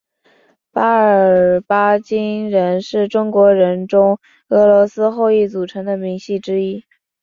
阿尔巴津人是中国人中俄罗斯后裔组成的民系之一。